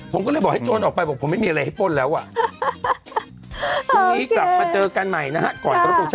ผมเหลือแค่เนี้ยจริง